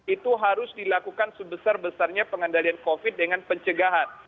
itu harus dilakukan sebesar besarnya pengendalian covid dengan pencegahan